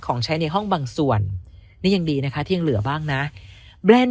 ของใช้ในห้องบางส่วนนี่ยังดีนะคะที่ยังเหลือบ้างนะแบรนด์